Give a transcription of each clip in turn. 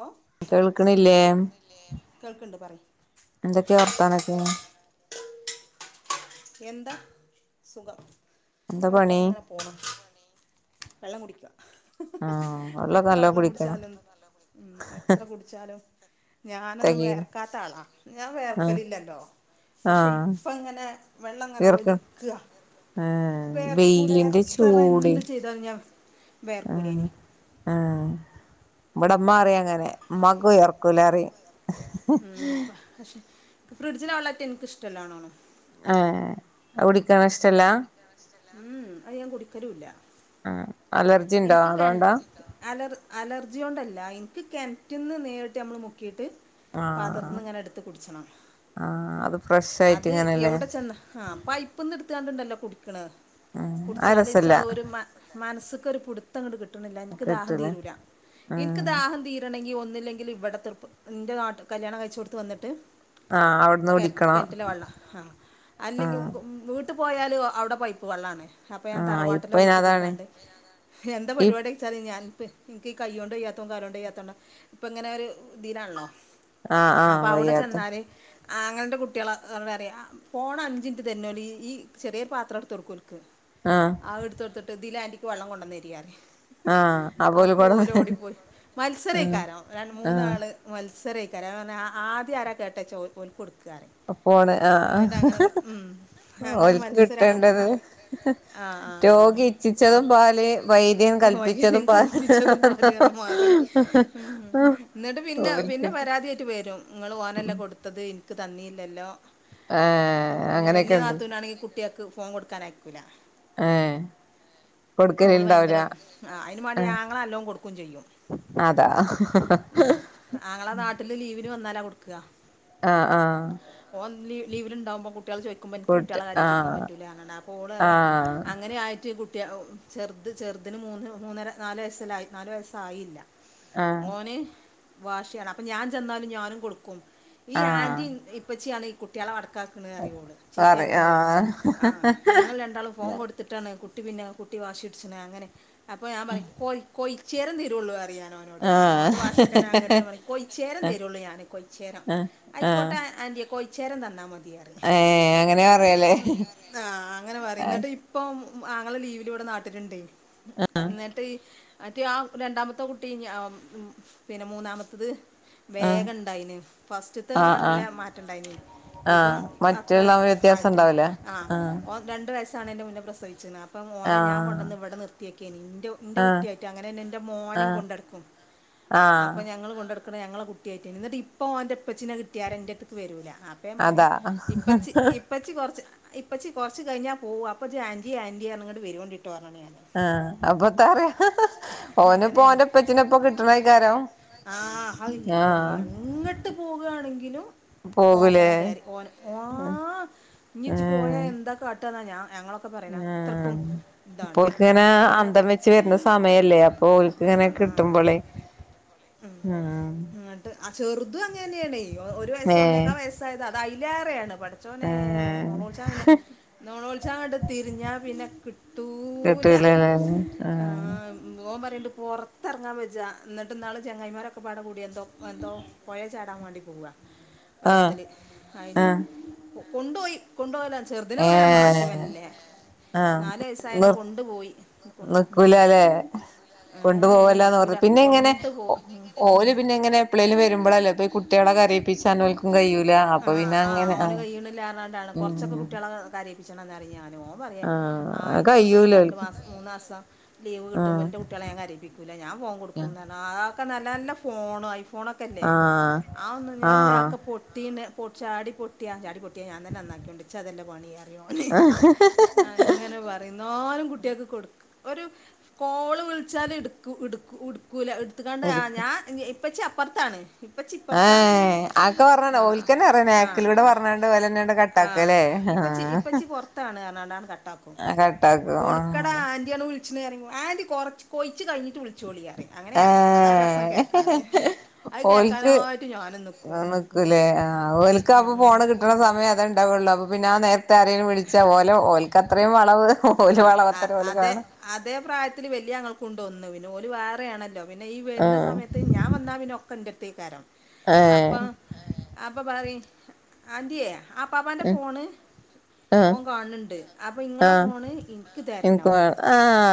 ഓ കേൾക്ക്ണില്ലേ കേൾക്കുന്നുണ്ട് പറയ് എന്തൊക്കെ വർത്താനൊക്കെ എന്താ സുഖം എന്താ ആയിട്ട് പണി അങ്ങനെ പോൺ വെള്ളം കുടിക്ക ആഹ് വെള്ളൊക്കെ എത്ര നല്ലോ വെള്ളം കുടിക്കണം കുടിച്ചാലും എത്ര കുടിച്ചാലും ഞാനൊന്നും തെകയൂല വേയർക്കാത്ത ആളാ ഞാൻ ആഹ് വേയർക്കലില്ലല്ലോ പക്ഷേ ആഹ് ഇപ്പ ഇങ്ങനെ വെള്ളം ഇങ്ങനെ വിയർക്ക ഒലിക്കാ ആഹ് വേയർക്കൂല എത്ര എന്ത് ചെയ്താലും ഞാ ഞാ ഏ ഏ ഇവടെ ഇമ്മ പറിം അങ്ങനെ ഇമ്മാക്ക് വിയർക്കൂല പറിം ഉം പക്ഷെ ഫ്രിഡ്ജ്ലെ വള്ളറ്റെ ഇൻക് ഇഷ്ടല്ലാണാനും ഏ അഹ് കുടിക്കാൻ ഇഷ്ടല്ല ഊ ഉം അയ് ഞാൻ കുടിക്കലും ഇല്ല ആ എനിക്ക് കൻ അലർ അലർജിയോണ്ടല്ല ഇൻക്ക് കെൻറ്റ്ന്ന് നേരിട്ട് നമ്മള് മുക്കീട്ട് ആഹ് പാത്രത്ത്ന്ന് ഇങ്ങനെ ഇട്ത്ത് കുടിച്ചണം ആഹ് അത് ഫ്രഷ് ആയിട്ട് അത് ഇങ്ങനെല്ലേ എവിടെ ചെന്ന ആ പൈപ്പന്ന് ഇട് ഇട്ത്ത് കാണ്ട് ഇണ്ടല്ലോ കുടിക്ക്ണ് ഉം അത് കുടിച്ചാൽ ഇച്ച് രസല്ല അഹ് ഒര് മ മനസ് ന്ക്ക് ഒരു പുട്ത്തങ്ങട്ട് കിട്ട് കിട്ട്ണ് ഇല്ല ഇൻക്ക് ദാഹം കിട്ടൂലേ തീരൂല ഇൻക്ക് ഉം ദാഹം തീരണങ്കി ഒന്നി വന്നില്ലെങ്കിൽ ഇവിടെ [unintelligible] ൻ്റെ നാട്ട് കല്യാണം കഴച്ച് കൊടുത്ത് വന്നിട്ട് ആഹ് അവിടുന്ന് കെ കുടിക്കണം കെണറ്റിലെ വെള്ള ആ അല്ലെങ്കിൽ ആഹ് മൂ പോയാല് അവിടെ പൈപ്പ് വെള്ളാണ് അപ്പൊ ഞാൻ ആഹ് ഇപ്പൊ തറവാട്ടിലെ അയിന് വീട്ടു അതാണ് പോയിക്കാണ്ട് എന്റ ഈ പരിപാടി വെച്ചാല് ഞാനിപ്പ് ഇനിക്ക് ഈ കയ്യ് കൊണ്ട് ചെയ്യാത്തോം കാല് കൊണ്ട് യ്യാത്തോണ്ട ഇപ്പ ഇങ്ങനെ ഒരു ഇതീലാണല്ലോ ആഹ് ആഹ് വയ്യാത്തെ ആങ്ങളിന്റെ കുട്ടികള വേറെ ആ പോണ അഞ്ചിന്റെ [unintelligible] ഈ ചെറിയൊരു പാത്രം എടുത്ത് കൊട്ക്കു ആഹ് [unintelligible] ആ എടുത്ത് കൊടുത്തിട്ട് ഇതിലാന്റി വെള്ളം കൊണ്ട് വന്ന് അരിയാറ് ആഹ് ആ അപ്പോല് കൊട പോലു ഓടിപ്പോയി മത്സരക്ക ആഹ് ആരോ രണ്ട ആഹ് മൂന്നാള് മത്സര [unintelligible] ആ ആദ്യം ആര കേട്ടേച്ചാ ഓർ ഓനിക്ക് കൊടുക്ക് അപ്പോണ് ആഹ ഉം. അങ്ങനെ ഓൾക്ക് മത്സരമാണ് മൂ കിട്ടേണ്ടത് ആ രോഗി ഇച്ചിച്ചതും പാല് വൈദ്യൻ [unintelligible] വൈ കൽപ്പിച്ചതും പാല് കല്പ്പിച്ചതും പാല് പറഞ്ഞ മാതിരി ഉം എന്നിട്ട് പിന്നെ പിന്നെ ഓൽക്കിട്ട് പരാതിയായിട്ട് വരും നിങ്ങള് ഓനല്ലേ കൊടുത്തത് എനിക്ക് തന്നില്ലല്ലോ ഏഹ് പിന്നെ അങ്ങനെയൊക്കെ വല്യ ഉണ്ട് നാത്തൂനാണെങ്കി കുട്ടികക്ക് ഫോൺ കൊടുക്കാൻ ആരിക്കൂല്ല ഏഹ് മോള് കൊടുക്കലുണ്ടാവൂല ഭയങ്കരം അയിനും വേണ്ടി ഏഹ് ആങ്ങള അല്ലോം കൊടു ക്കും ചെയ്യും അതാ ഉം. ആങ്ങള [inaudible] വന്നാലാ കൊടുക്ക ആ ആ ലീവിന് ണ്ടാവുമ്പോ കൊ കുട്ടികള് ചോദിക്കുമ്പോ എനിക്ക് കുട്ടികളെ ആഹ് കരയിപ്പിക്കാൻപ്പറ്റൂല്ല അങ്ങനെ അപ്പോള് ഓൾ പറയ്‌യാ ആഹ് അങ്ങനെ ആയിട്ട് [unintelligible] ചെറുത് ചെറുതിന് മൂന്ന് മൂന്നര നാല് വയസ്സാ ലായി നാലല് വയസ്സായില്ല ആഹ് ഓന് വാഷിയാണ് അപ്പൊ ഞാൻ ചെന്നാലും ഞാനും കൊടുക്കും ഈ ആഹ് ആന്റി ഇപ്പചിയാണ് കുട്ടികള വ ത്താക്കണത് അറിയോള്ളൂ പറയും ചീത്തയാക്കണത് ആഹ് ആ ആഹ് നിങ്ങൾ രണ്ടാളും ഫോ കൊടുത്തിട്ടാണ് കു പിന്നെ കൂ ട്ടി വാഷി്ട്ച്ച്ന് അങ്ങനെ അപ്പോ ഞാൻ പറയും കോയീ കോയീ ചേർ തീരുവള്ളൂറിയാം ഓനോട്‌ ആ ഓന്റെ ഭാഷക്കന്നെ അങ്ങട്ട് ഞാൻ പറയും കൊയ്ച്ചേരം തരുള്ളു ഞാൻ കൊയ്ച്ചേരം ആഹ് ആഹ് ആയിക്കോട്ടെ ആന്റിയെ കൊയ് ചേരം തന്ന മ ഏഹ് അങ്ങനെ പറയല്ലേ ആ അങ്ങനെ പറയും ആഹ് ന്നിട്ട് ഇപ്പം. ആങ്ങള ലീവ്. ഇവിടെ നാട്ടില്ണ്ട്. ന്ന്ട്ട്. മറ്റേ ആ രണ്ടാമത്തെ കുട്ടി ഞ മ് പിന്നെ മൂന്നാമത്തത്. വേഗ ണ്ടായിന് ഫസ്റ്റത്തെ ആഹ് നല്ല ആഹ് മാറ്റണ്ടായിന് ആഹ് ഇപ്പം അത്ര മറ്റുള്ള വ്യത്യാസം ആയിട്ടില്ല ഉണ്ടാവൂലേ ആ ആഹ് ഓൻ രണ്ട് വയ ആവ്ണേൻ്റെ പ്രസവിച്ച്ണ് അപ്പം. ഓനെ ഞാൻ ആഹ് കൊണ്ടന്ന് വ്ടെ നിർ ത്യെക്കേനി ഉം ന്റെ ആഹ് കുട്ടിയായിട്ട് അങ്ങനെന്നെ ന്റെ മോനിം ആഹ് കൊണ്ട് നട്ക്കും ആഹ് അപ്പൊ ഞങ്ങൾ കൊണ്ട ട്ക്കും. ക്ക്ണ് ഞങ്ങളെ കുട്ടിയായിട്ട് ഏനി ന്ന്ട്ട് പ്പം ഓന്റെ പ്പച്ചിനെ കിട്ടിയാരെ ന്റെട്ത്ത്ക്ക് വെരൂല. അപ്പം ഞാൻ പറയും അതാ ഇപ്പച്ചി ഇപ്പച്ചി കൊറ്ച്ച്. ഇപ്പച്ചി കൊറച്ച് കഴിഞ്ഞാ പോവും അപ്പൊ ജി ആന്റി ആൻ്റി റഞ്ഞ് ങ്ങട്ട്. വരുവോണ്ടി. ട്ടോ റഞ്ഞിണ് ആഹ് അപ്പത്താ പറയാ ഞാൻ ഓനിപ്പോ അങ്ങനെയാണ് ഓന്റെ ഉപ്പച്ചിനെപ്പൊ കിട്ടണേക്കാരം ആ അഹ് ആഹ് എങ്ങട്ട് പോകാണെങ്കിലും ഓ ഓൻ പോകൂലേ കേറി ഓൻ ഓ ഞ്ഞി ജ് പോയ ഏഹ് എന്താ കാട്ടന്നാ ഞാ ഞങ്ങളൊക്കെ പറയ്ണെ ആഹ് അത്രക്കും. ഇതാണ് ഇപ്പോൽക്കിങ്ങനെ അങ്ങനെ അന്തം വെച്ച് വരുന്ന സമയല്ലേ അപ്പൊ ഓൽക്ക് ഇങ്ങനെ കിട്ടുമ്പളേ ആഹ് [unintelligible] ചെറുതും അങ്ങന്നെയാണെ ഒരു വയസ്സ് ഏഹ് ഒന്നേക്കാ വയസ്സായത് അത തിലേറെയാണ്. പടച്ചോനെ ഏഹ് നോളോൾച പിന്നെ നോളോൾചാങ്ങട്ട് തിരിഞ്ഞാ പിന്നെ കിട്ട് കിട്ടൂലലെ ആ. പൊറത്തറങ്ങാൻ വെജ്ജ എന്നിട്ട്ന്നാള് ചങ്ങായിമാരൊക്കെ പാട കൂടി എന്തോ എന്തോ പൊഴേ ചാടാൻ മാണ്ടി പോകാ പോവുക ആഹ് വള്ളത്തില് അയ്ല് ആഹ് കൊണ്ടോയി കൊണ്ടോവല്ല ചെറുതിനെ വടെ ഏഹ് മാറ്റിമല്ലേ ആഹ് നിർ കൊ- നിക്കൂല ഉം. അല്ലെ ഏ കൊണ്ടു പോോവല്ലന്ന് നിൽക്കൂല പിന്നെ ങ്ങനെ കൊണ്ടുപോ ഉം. ഓല് പിന്നെ ങ്ങനെ എപ്പളേലും വരുമ്പളല്ലേ ഇപ്പ ഈ കുട്ട്യാളെ കറിയിപ്പിച്ച ക്കും കയോ ആ ആ ഓന് കൈയ്യിണില്ലാണ്ടാണ് കൊറച്ചൊക്കെ ഉം കുട്ടികളെ കരയിപ്പിച്ചണ [unintelligible] ഓ പറയ ആഹ് ആ അത് എനിക്കിപ്പോം ഈ കയ്യൂല രണ്ട് ഓൽക്ക് മാസം മൂന്നാസം ലീവ് കിട്ടുമ്പോ എ്ന്റെ ആഹ് കുട്ടികളെ ഞങ്ങ കരയിപ്പിക്കൂല ഞാൻ ഫോൺ കൊടുക്കും ആ ഒക്കെ നല്ല നല്ല ഫോൺ ആയി ഫോണൊക്കല്ലേ ആഹ് ആ ഒന്നും ഞാൻ പറ ആഹ് ആക്കെ പൊ പിന്ന പൊ ചാടി പൊട്ടാ ചാടി പൊട്ടിയ ഞാൻ തന്നെന്നാക്കിയൊണ്ട് ഇച്ച അ തല്ലേ പണി അങ്ങനെ പറിം ന്നാലും കുട്ടികക്ക് കൊടുക്ക ഒരു കോള് വിളിച്ചാല് ഇടുക്ക ഇടുക്കു ഇടക് ല എടുത്തകാണ്ട് ഞാ പച്ചേ അപ്പർത്താണ് ആ ആക്കെ പറഞ്ഞ ഓൽക്കന്നെ അറിയ ആ നാക് ലൂടെ ആ പറഞ്ഞാണ്ട് ഓലെന്നെ ആട്ട് ആ കട്ടാക്കല്ലേ ആ ഇപ്പച്ചി ഇപ്പച്ചി പുറത്താണ് പറഞ്ഞാണ്ടാണ് കട്ടാക്കും ആ കട്ടാക്ക ആ ച്ചുണേഅറിയുമ്പും ആന്റി കുറച്ച് കോയി കഴിഞ്ഞട്ട് വിളിച്ചോളിയാ അങ്ങനെ അറിയാം അതാ രസം കേക്കാന് ഏഹ് അത് ഓൽക്ക് കേക്കാനായിട്ട് ഞാനും നിക്കും നിക്കൂലേ ഓൽക്ക് അപ്പൊ ഫോണ് കിട്ടണ സമയ അതെണ്ടാവുള്ളു അപ്പൊ പിന്ന ആ നേർ വിളിച്ച ഒലെ ഓൽക്കത്ത അത്രയും വളവ് ഓല് ആ വളവത്തരം ഓല് അതെ കാണും അതേ പ്രായത്തില് വലിയ ങ്ങൾക്ക് കൊണ്ട് ഒന്ന് ഓല് വേറെയാണല്ലോ പിന്നെ ഈ വരുന്ന ആഹ് സമയത്ത് ഞാൻ വന്നാ പിന്നെ ഒ കണ്ടെത്തെ യ്ക്കാരം അപ്പ ഏഹ് അപ്പൊ പറി ആതിയേ ആപാപ്പാന്റെ ഫോണ് ഓൻ ആഹ് കാണുന്നുണ്ട് അപ്പം ഇങ്ങള ആഹ് ൾ ഇന്ക്ക് തരണം എനിക്ക് വേണം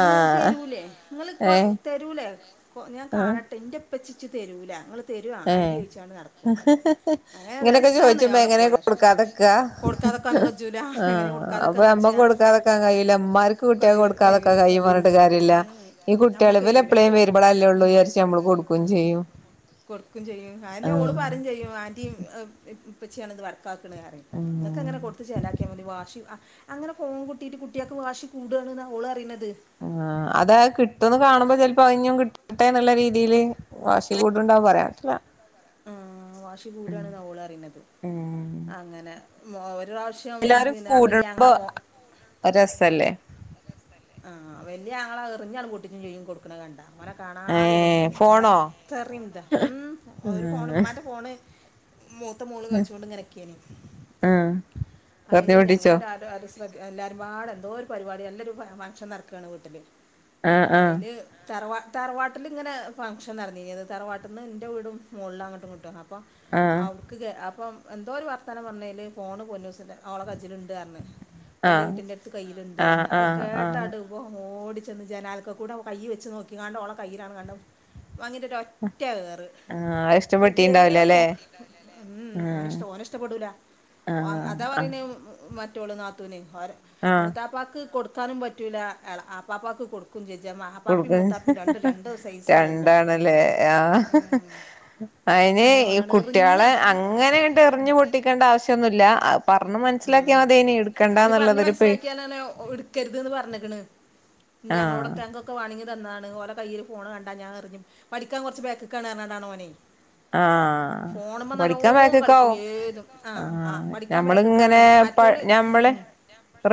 ഇങ്ങൾ തരൂലെ ഇങ്ങൾ കൊയ് ഏഹ് തരൂലെ ഞാകാണട്ടെ ഇൻ്റെ പ്പച്ചിച്ച് തരൂല ങ്ങൾ ഏ ഹ് ഹ് ഹ് അങ്ങനെ ഇങ്ങനെയൊക്കെ രസമാണ് ചോദിചുമ്പോ അവിടെ എങ്ങനെ പോയാൽ കൊടുക്കാതെക്കാ കൊടുക്കാതൊക്കെ കജ്ജൂല ആ എങ്ങനെ അപ്പൊ കൊടുക്കാതൊക്കെ നമ്മക്ക് കജ്ജുക കൊടുക്കാതക്കാൻ കയ്യി ല്ല മ്മാർക്ക് കയ്യൂ കുട്ടിയാക്ക്കൊടുക്കാതൊക്കാന് കഴിയൂല കയ്യും പറഞ്ഞട്ട് കാര്യല്ല ഈ കുട്ട്യാള് നമുക്ക് ഇവല് കഴിയൂല എപ്പളേലും വരുമ്പോളല്ലേള്ളൂ വിചാരിച് നമ്മള് കൊടുക്കും ചെയ്യും കൊടുക്കും ചെയ്യും അഎന്നെ ഓള് ആഹ് പറയും ചെയ്യും ആൻ്റി പച്ചിയാണത് വ ക്ക്‌ണേ റെയും നിങ്ങൾക്ക ഉം അങ്ങനെ കൊടുത്ത് ചെലക്കിയാമതി വാഷി അങ്ങനെഫോൺ കുട്ടിട്ട് കു കുട്ടിയാക്ക് വാശികൂടാണ് ന്ന ഓൾ പറയ്ണദ് ആ അത് കിട്ടുന്ന്കാണുമ്പോ ചിലപ്പോ ത്ഞ്ഞുംകിട്ടട്ടെന്നുള്ള രീതിയില് വാഷി കൂട്ണ്ടാവും പറയാ ആ വാശി കൂടാണ്ന്ന ഓളറിണത് ഉം അങ്ങനെ [unintelligible] എല്ലാരും പിന്നെ വലിയ കൂടുമ്പോ ഞങ്ങളെ ഫോൺ രസല്ലേ ആ വല്യ ആങ്ങള എറിഞ്ഞാണ് പൊട്ടിച്ചുംചെയ്യും കൊടുക്കണകണ്ടാ ഓനെ ഏ കാണാതെകൊടുക്കല് ഫോണോ ഓനത്രയും ഇതാ ഉം ഒരു ഫോണ് ഉം മ്മാൻ്റെ ഫോണ് മൂത്ത മോള് കളിച്ചോണ്ട്ങ്ങനെ നിക്കേന്ന് ഉം അയിൽ പറഞ്ഞു പിടിച്ചോ ഞങ്ങളെല്ലാരു എല്ലാരുംപാടെ എന്തോരു പരിപാടി നല്ലൊരു ഫ ഫംഗ്ഷൻ നടക്കാണ് വീട്ടില് ആ ആ അയില് തറവാ തറവാട്ടിലിങ്ങനെ ഫങ്ഷൻനടന്നീനൃത് തറവാട്ടിന്ന് ൻ്റെവീടും മുകളിലങ്ങട്ടും ഇങ്ങട്ടും അ അപ്പം ആ അവക്ക് അപ്പം എന്തോരു വർത്തനം പാഞ്ഞേല് ഫോണ് പോന്നുസ് ഓളെ കജില്ണ്ട് ണ്ട്‌ പർഞ്ഞ് ആ വലിയകുട്ടിന്റെടുത്ത് കയ്യില്ണ്ട് ആ പറഞ്ഞ് ആ അത് ആ കേട്ടാ വൻ ഓടി ജനാലക്ക കൂടെ ഓൻ കൈവെച്ച് നോക്കിങ്ങാണ്ട് ഓളെകയ്യിലാണ് കണ്ട വാങ്ങിട്ടോരറ്റെറ് ആ പുതിയെ ഇഷ്ടപ്പെട്ടിണ്ടാവില്ല ഫോ ല്ലേ ഉം ഓന് ഇഷ് ഓന് ഇഷ്ടപ്പെടൂല ആ ഓ അതാ ആ പറയണേ മ റ്റോൾ നാത്തൂന് ആ മൂതാപാക്ക് കൊടു ടുക്കാനും പറ്റൂല്ല എള ആപ്പാപ്പാക്ക് കൊട് [unintelligible] സൈസായല്ലോ രണ്ടാണല്ലേ ആ അയിന് അങ്ങനെ പറഞ്ഞാണ് എറിഞ്ഞ കുട്ടികളെ അങ്ങനെണ്ട് എറിഞ്ഞു പൊട്ടിക്കേണ്ട ആവശ്യന്നുല്ല ല്ല അത് പറഞ്ഞു മനസ്സിലാക്കിയാ അതേനി അതിന് പറഞ്ഞ് ഇട്ക്കണ്ടന്നുള്ളതൊരു പേ മനസ്സിലാക്കിയാലാണ് ഞങ്ങളോടാക്കെ ആ അങ്ങക്കെ വാണെ ന്നാണ് ഓലെ കയ്യില് ഫോണ് കണ്ട ഞാനെറിഞ്ഞ് പഠിക്കാൻ കുറച്ച് ബേക്ക്ക്കാണർഞ്ഞാണ്ടാണോനെ ആ പഠിക്കാൻ കളിക്കും വക്ക്ക്കാകും ഏതും ആ പഠിക്കാൻ ഞമ്മളിങ്ങനെ ബാക്കിക്കാണ് പ മറ്റോല് ഉം, ഞമ്മള് ഉം,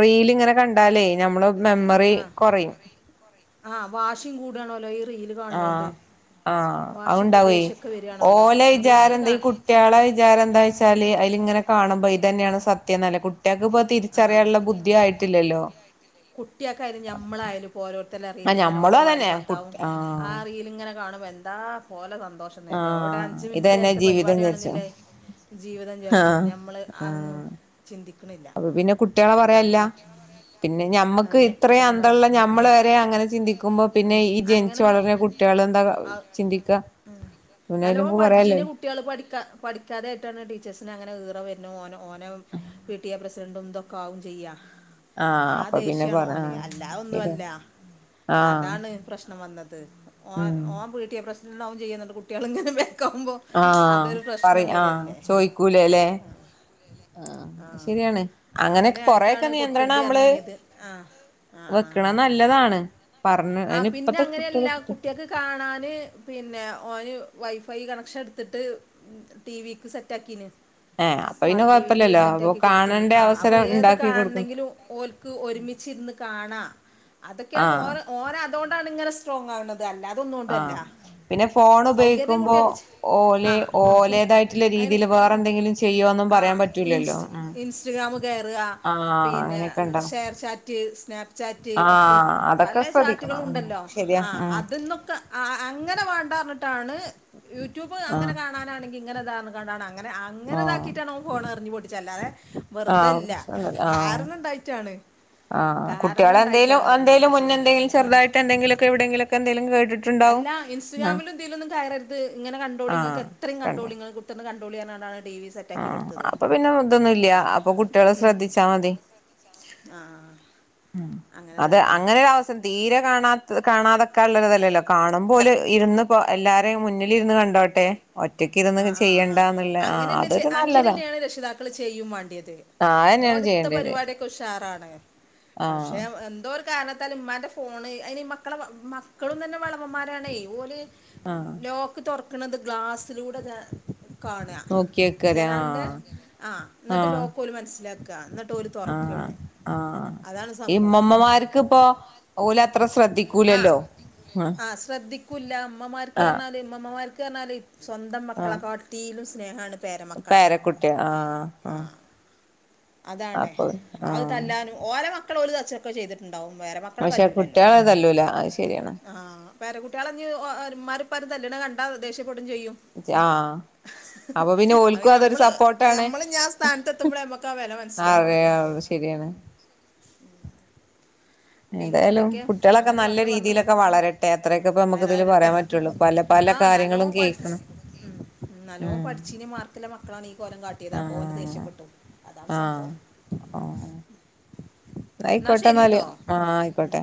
റീലീങ്ങനെ കണ്ടാലേ എയ് നമ്മള മെമ്മറി കുറയും ആഹ് വാഷിും കൂടാണല്ലോ ആഹ ആഹ വാശിയും കൂ അത്ണ്ടാവേ ദേഷ്യമൊക്കെ വരികയാണോലോ ഓല വിചാരം റീല് എന്താ കാ ഈ കുട്ടികളെ വിചാരം എന്താ വച്ചാല് അതിൽ ഇങ്ങനെ കാണുമ്പോ ഇത്തന്നെയാണ് അത്യം നല്ല കുട്ടികൾക്ക്ിപ്പോൊ തിരിച്ചറിയാനുള്ള ബുദ്ധി ആയിട്ടില്ലല്ലോ കുട്ടിയക്കൊയാലും ഞമ്മളായാലും പോരോ ല്ല റല ആഹ് ഇങ്ങന ഓരോ ഞമ്മളും അതന്നെ കാര്യം കുട്ട് ഭർത്താവും ആ ആഹ് റീല ഇങ്ങനെ കാണ്പ എന്താ പോല ന്തോഷ നേരുന്നു അവിടെ ആഹ് അഞ്ച് മിനിറ്റ് ഇതന്നെ നേരത്തെ ജീവിതം വിചാരിച്ചും പരിപാടിയാണെന്നില്ലേ ജീവിതം വിചാരിച്ചു ആഹ് നഞമ്മൾ അതൊന്നും ആഹ് ചിന്തിക്കു- അപ്പൊ പിന്നെ കുട്ടികളെ പറയാല്ല പിന്നെ ന- നമ്മുക്ക് അതന്നെ ഇത്രയും കുട്ടികളും പറയും അന്ന്തമുള്ള നമ്മള് വരെ അങ്ങനെ ചിന്തിക്കുമ്പോ പിന്നെ ഈ ജനിിച്ചു അങ്ങനെ വളർഞ്ഞ കുട്ടികൾ എന്താ ചിന്തിക്കാ ഉം. നല്ലോണം പിന്നെഅയ്ലൊന്നും പഠിച്ചീന പറയാല്ലല്ലോ കുട്ടികൾ പഠിക്കാ [unintelligible] ഓ ഓന പി ടി എ പ്രസിഡന്റുംതൊക്കെ ആകും ചെയ്യ ആഹ അപ്പൊ പിന്നെ ശാണ് പറ ആഹ് ഓൻഅല്ലാതെ ശരിയാ ഒന്നുമല്ല ആഹ് അതാണ് പ്രശ്നം വന്നത് ഓ ഉം ഓൻ പി ടി എ പ്രസിഡ ന്നാവും ചെയ്യ ന്നട്ട് കുട്ടികള ഇങ്ങനെ ആഹ പറി ആഹ ചോയ്ക്കൂലേ അല്ലേ ആ ശരിയാണ് അങ്ങനെ അങ്ങനെയൊക്കെ കൊറെൊക്കെ ആയിട്ടാണ് നിയന്ത്രണം കൊടുക്കരുത് നമ്മള് പറഞ്ഞിനിയത് ആ ആ വെക്കണ ആ നല്ലതാണ് പറ ആ പിന്നെ അങ്ങനെയ എല്ല കുട്ടിയക്ക്െ കാണാന് പിന്നെ ഓന് വൈഫൈ കണക്ഷൻ എടുത്തിട്ട് ടി വിക്ക് സെറ്റാക്കീന് ഏഹ് അപ്പൊ പിന്നെ സ്മാർട്ട് ടിവിക്ക് കൊഴപ്പില്ലല്ലോ സെറ്റ അപ്പൊ ആക്കി കൊടുത്ത കാണേണ്ട ആ അപ്പൊ അവസരം ഏത് ഇണ്ടാക്കി കൊടുക്കണം കാണെങ്കിലും ഓക്ക് ഒരുമിച്ചി ഇരുന്ന് കാണാം അതൊക്കെയാണ് ഓരോ അതുകൊാണ് ഇങ്ങനെ സ്ട്രോങ് ആകുന്നത് ആ പിന്നെ ഫോൺ സൗകര്യം ഉപയോഗിക്കുമ്പോ കുട്ടികൾക്ക് ചെ- ഓലെ ആ അപ്പോൾ ഓലേതായിട്ടുള്ള രീതിൽ അങ്ങനെ വേറെ എന്തെങ്കിലും ചെയ്യോന്നും പറയാൻ പറ്റൂലല്ലോ ഉ കേറുക പിന്നെ ഷെയർചാറ്റ് സ്നാപ്ചാറ്റ് ആഹ് പല അതൊക്കെ ചാറ്റുകളൾ ശ്രദ്ധിക്കണം ഉം ഉണ്ടല്ലോ ശരിയാ ആ ഉം അതിന്നൊക്കെ അങ്ങനെ പറഞ്ഞിട്ടാണ് യൂട്യൂബ് അങ്ങനെ ആഹ് കാണാനാണെങ്കിൽ ഇങ്ങെനെതാണ് [unintelligible] അങ്ങെ ആഹ് അങ്ങനെതാക്കിയിട്ടാണ് ഓൻ ഫോൺറിഞ്ഞു പൊട്ടി ചല്ലാതെ ആഹ് വെറുതല്ല പ്രശ്നണ്ടല്ലോ ആഹ് കാരണം ഇണ്ടായിട്ടാണ് ആഹ് കാരണം കുട്ടികളെ എന്തേലും ഇണ്ടായിട്ടാണ് എറിഞ്ഞു എന്തേലും മുന്നേ എന്തെങ്കിലും ചെറുതായിട്ട് എന്തെങ്കിലുമൊക്കെ എവിടെയെങ്കിലുമൊക്കെ എന്തെലും കേട്ടിട്ടുണ്ടാവും അല്ല ആഹ് ഇൻസ്റ്റഗ്രാമിലുതിലൊന്നും കയറര്ത് ങ്ങനെ ആഹ് കണ്ടോളിങ്ങക്കെത്രിം കണ്ടോളി ങ്ങള് കുത്തർന്ന് ക [unintelligible] ആ അപ്പൊ പിന്നെ തൊന്നും ഇല്ല്യ അതെ അപ്പൊ കുട്ട്യേളെ ഉം ശ്രദ്ധിച്ചാ മതി ആ ഉം അതെ അങ്ങനെതായിട്ടാ അങ്ങനെരവസം തീരെ കാണാ ത് കാണാതെക്കാൻള്ളത്‌തല്ലല്ലോ കാണുമ്പോല് എന്നുപ്പോ എല്ലാരെയും മുന്നിലിരുന്ന് കണ്ടോട്ടെ ഒറ്റക്ക് ആ ഇരുന്ന് ആ ആ ചെയ്യണ്ടന്നുള്ള ആ അങ്ങനെന്നെ ചെ അതൊരു നല്ലതാ അങ്ങനെന്നെയാണ് രഷിതാക്കള് ചെയ്യും വാണ്ടിയത് ആ അതന്നെയാണ് ഓട്ത്ത ചെയ്യേണ്ടത് പരിപാടിയൊക്കെ ഉഷാറാണ് പഷെ ആഹ് എന്തോര് കാരണത്താല് ഇമ്മാന്റെ ഫോണ് അയ്നി മക്കളെ മക്കളും തന്നെ വെളവൻമാരാണേ ഓല് ആഹ് ലോക്ക് തൊർ ക്ക്ന്നത് ഗ്ലാസ് ലൂടെ ദാ കാണ നോക്കിയക്കര ജനാൽൻ്റെ ആഹ് ആ ന്നട്ട് ലോക്കോല് മനസ്സ്ലാക് ത ന്നട്ട് ആ ആ ഈ സംഭവം ഇമ്മമ്മമാര്ക്ക്പ്പൊ ഓലത്ര ആ ശ്രദ്ധിക്കൂലല്ലോ ഉം ആ ആ ക്റ്ഞ്ഞാല് സ്വന്തം മക്കളെ കാട്ടീലും സ് സ്നേഹാണ് പേരക്കുട്ടിയെ ആ ആ അതാണ് അത് തല്ലാനും ഓരെ മ കളോല് തച്ചൊക്കെ ചെയ്തിട്ട് ണ്ടാവും പേരമക്കളെ പക്ഷെ തല്ലൂല്ലല്ലോ കുട്ടികളെ തല്ലൂല അത് ശരിയാണ് അ. ഹാ പേരകുട്ട്യാളെഞ്ഞ് ഒ ഒ ര്മ്മാരും പ്പാരും തല്ല്ണ കണ്ട ദേശ്യം പെടുംചെയ്യും ആഹ് അപ്പൊ പിന്നെ ഓൽക്കും അതൊരു അയ്ഞമ്മള് ഞമ്മള്ഞ്ഞാ സ്താൻതെത്തുമ്പളേ മ്മ ആതേ അത് ശരിയാണ് പിന്നെ ഏന്തായാലും എന്തൊക്കെയാ കുട്ട്യോളക്കെ അങ്ങനെ നല്ല പറഞ്ഞ് പറഞ്ഞ് രീതിയിലൊക്കെ വളരട്ടെ അത്രയൊക്കെ ഇപ്പ നമ്മക്കുതില് വരാറട്ടെ പറയാൻ ഉം. പറ്റുള്ളൂ പല പല ആ നല്ലോ കാര്യങ്ങളും പഠി കേക്കണം ഉം. നല്ലോ ഉം പഠിച്ചിന് [unintelligible] കോലം കാട്ടീതാ അപ്പൊ ഓന് ആഹ് ദേഷ്യപ്പെട്ടു അതാണ് ആഹ് സംഭവം ഓഹ് ന്നാ ശരിട്ടോ ആഹ ആയിക്കോട്ടെ